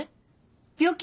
病気？